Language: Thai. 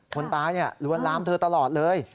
คนตายลวนลามเธอตลอดเลย